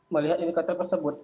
melihat indikator tersebut